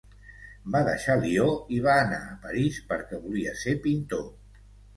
Va deixar Lió i va anar a París perquè volia ser pintor.